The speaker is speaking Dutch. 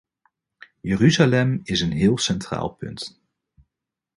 Jeruzalem is een heel centraal punt.